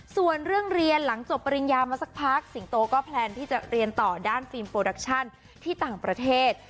ส่วนเรื่องเรียนหลังจบปริญญามาสักพักสิงโตก็แพลนที่จะเรียนต่อด้านฟิล์มโปรดักชั่นที่ต่างประเทศ